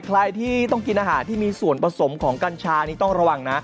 ใครที่ต้องกินอาหารที่มีส่วนผสมของกัญชานี่ต้องระวังนะ